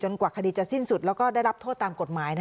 กว่าคดีจะสิ้นสุดแล้วก็ได้รับโทษตามกฎหมาย